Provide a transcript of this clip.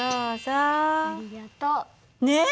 ありがとう。ねえ？